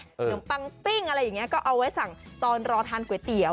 นมปังปิ้งอะไรอย่างนี้ก็เอาไว้สั่งตอนรอทานก๋วยเตี๋ย